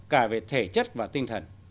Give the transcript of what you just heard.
cả về thể chất và tinh thần